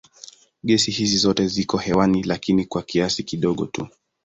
Gesi hizi zote ziko hewani lakini kwa kiasi kidogo tu.